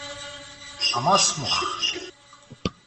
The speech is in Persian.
آماس مخ